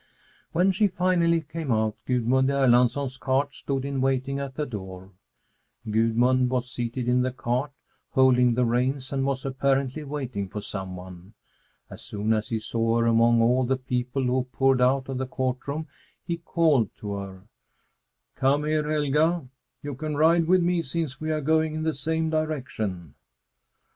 When she finally came out, Gudmund Erlandsson's cart stood in waiting at the door. Gudmund was seated in the cart, holding the reins, and was apparently waiting for some one. As soon as he saw her among all the people who poured out of the court room, he called to her: "Come here, Helga! You can ride with me since we are going in the same direction."